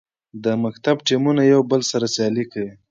د مکتب ټیمونه یو بل سره سیالي کوي.